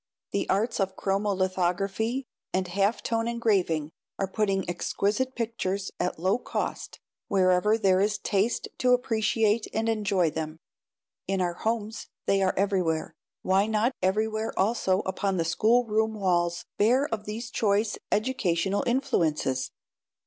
The arts of chromo lithography and half tone engraving are putting exquisite pictures, at low cost, wherever there is taste to appreciate and enjoy them. In our homes they are everywhere. Why not everywhere also upon schoolroom walls bare of these choice educational influences?